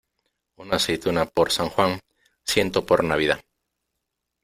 Una aceituna por San Juan, ciento por Navidad.